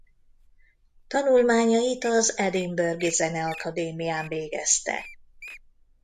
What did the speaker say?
Tanulmányait az Edinburgh-i Zeneakadémián végezte.